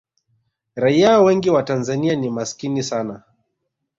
raia wengi wa tanzania ni masikini sana